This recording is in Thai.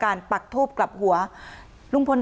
ก็อยู่ด้วยกันต่อไปก็ให้ออกมาวันนี้เลยในนิดนึงนะ